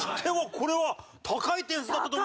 これは高い点数だったと思う。